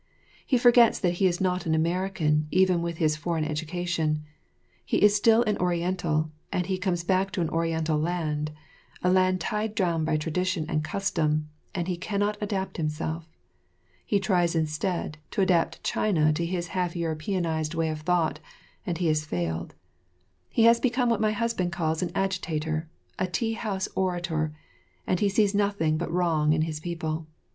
He forgets that he is not an American even with his foreign education; he is still an Oriental and he comes back to an Oriental land, a land tied down by tradition and custom, and he can not adapt himself. He tries instead, to adapt China to his half Europeanised way of thought, and he has failed. He has become what my husband calls an agitator, a tea house orator, and he sees nothing but wrong in his people.